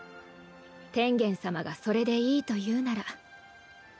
天元さまがそれでいいと言うなら。